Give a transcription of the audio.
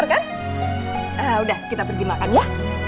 shahrukh sudah selanjutnya